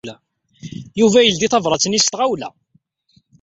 Yuba yeldey tabṛat-nni s tɣawla.